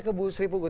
ke bu sri pugu